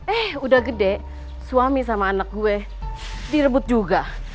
eh udah gede suami sama anak gue direbut juga